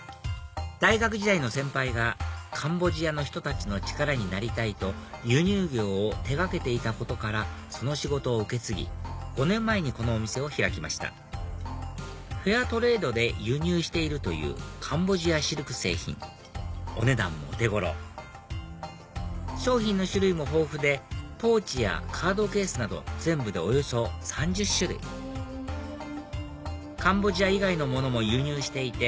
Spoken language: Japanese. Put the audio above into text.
大学時代の先輩がカンボジアの人たちの力になりたいと輸入業を手掛けていたことからその仕事を受け継ぎ５年前にこのお店を開きましたフェアトレードで輸入しているというカンボジアシルク製品お値段もお手頃商品の種類も豊富でポーチやカードケースなど全部でおよそ３０種類カンボジア以外のものも輸入していて